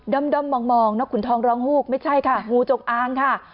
ด้มมองคุณทองร้องหูกไม่ใช่ค่ะงูจงอ้างค่ะ